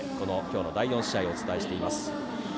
第４試合をお伝えしています。